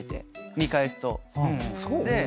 見返すと。